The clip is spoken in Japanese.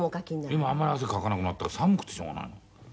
今あんまり汗かかなくなったら寒くてしょうがないの。